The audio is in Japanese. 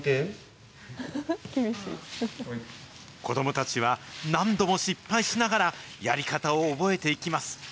子どもたちは、何度も失敗しながら、やり方を覚えていきます。